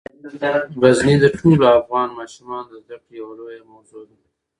غزني د ټولو افغان ماشومانو د زده کړې یوه لویه موضوع ده.